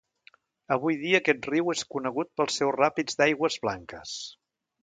Avui dia aquest riu és conegut pels seus ràpids d'aigües blanques.